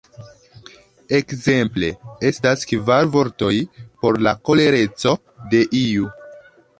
Ekzemple, estas kvar vortoj por la kolereco de iu